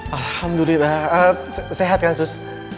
alhamdulillah sehat kan sus